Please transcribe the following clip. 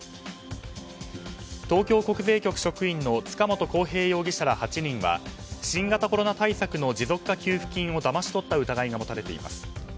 東京国税局職員の塚本晃平容疑者ら８人は新型コロナ対策の持続化給付金をだまし取った疑いが持たれています。